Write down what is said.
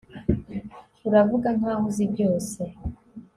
Uravuga nkaho uzi byose